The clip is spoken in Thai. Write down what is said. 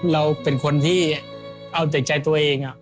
เราเป็นคนที่เอาแต่ใจตัวเอง